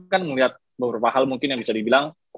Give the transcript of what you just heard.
kan melihat beberapa hal mungkin yang bisa dibilang